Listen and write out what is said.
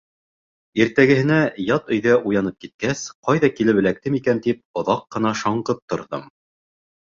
Иртәгәһенә ят өйҙә уянып киткәс, ҡайҙа килеп эләктем икән, тип оҙаҡ ҡына шаңҡып торҙом.